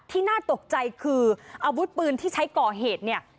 น่าตกใจคืออาวุธปืนที่ใช้ก่อเหตุเนี่ย